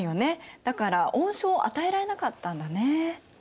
だから恩賞を与えられなかったんだね。